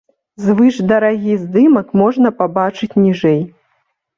Звышдарагі здымак можна пабачыць ніжэй.